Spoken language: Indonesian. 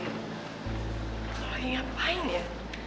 nolain ngapain ya